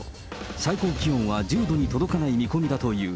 最高気温は１０度に届かない見込みだという。